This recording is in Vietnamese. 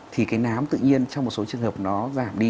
thì cái nám tự nhiên trong một số trường hợp nó giảm đi